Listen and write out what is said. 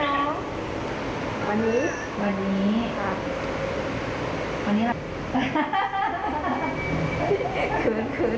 เอาอีกรอบหนึ่ง